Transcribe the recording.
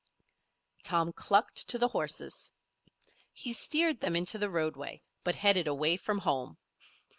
Tom clucked to the horses. He steered them into the roadway, but headed away from home.